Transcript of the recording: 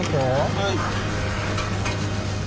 はい。